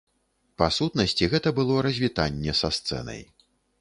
Па сутнасці, гэта было развітанне са сцэнай.